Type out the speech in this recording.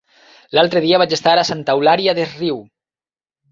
L'altre dia vaig estar a Santa Eulària des Riu.